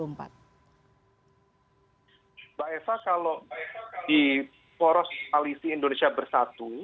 mbak eva kalau di poros koalisi indonesia bersatu